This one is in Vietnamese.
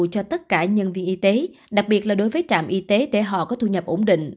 cho tất cả nhân viên y tế đặc biệt là đối với trạm y tế để họ có thu nhập ổn định